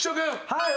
はい。